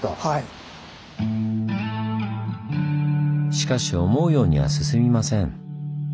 しかし思うようには進みません。